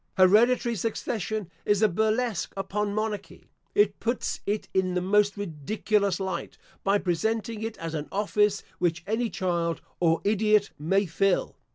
Hereditary succession is a burlesque upon monarchy. It puts it in the most ridiculous light, by presenting it as an office which any child or idiot may fill.